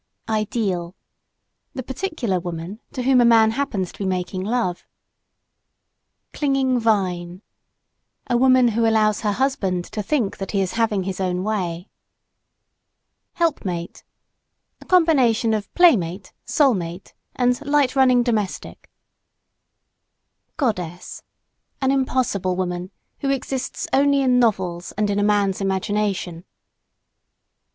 "IDEAL" The particular woman, to whom a man happens to be making love. CLINGING VINE A woman who allows her husband to think that he is having his own way. HELPMATE A combination of playmate, soul mate, and light running domestic. GODDESS An impossible woman, who exists only in novels and in a man's imagination.